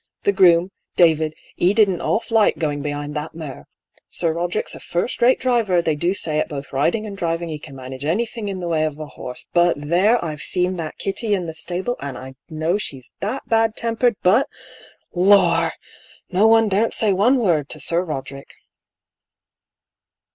" The groom, David, he didn't half like going behind that mare. Sir Roderick's a fii*st rate driver ; they do say at both riding and driving he can manage anything in the way of a horse. But there, I've seen that Kitty in the stable, and I know she's that bad tempered — but, lor! no one daren't say one word to Sir Roderick."